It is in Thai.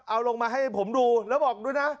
เอาลงมาให้ผมดูแล้วบอกด้วยนะ